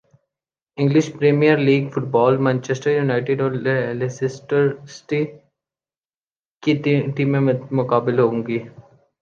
English Premier League football Manchester United اور Leicester City کی ٹیمیں مدمقابل ہونگی